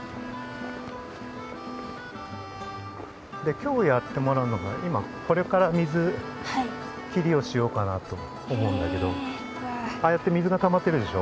きょうやってもらうのが今これから水切りをしようかなと思うんだけどああやって水がたまってるでしょ？